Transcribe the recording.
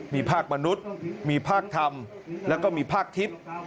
มีภาคมนุษย์มีภาคธรรมแล้วก็มีภาคทิพย์